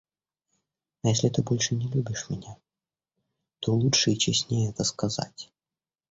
А если ты больше не любишь меня, то лучше и честнее это сказать.